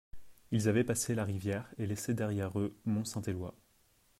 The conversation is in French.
Ils avaient passé la rivière et laissé derrière eux Mont-Saint-Éloy.